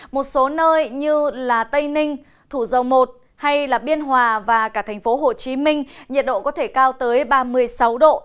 một số nơi như tây ninh thủ dầu một biên hòa và cả thành phố hồ chí minh nhiệt độ có thể cao tới ba mươi sáu độ